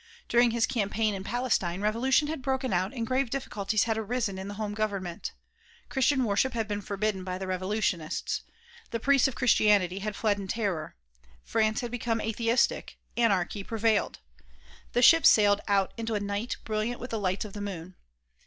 During his campaign in Palestine revolution had broken out and grave difficulties had arisen in the home government. Christian worship had been forbidden by the revolutionists. The priests of Christianity had fled in terror. France had become atheistic ; anarchy prevailed. The ship sailed out into a night brilliant with the light of the moon.